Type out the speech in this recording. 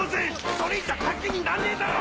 それじゃ賭けになんねえだろ！